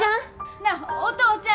なあお父ちゃん！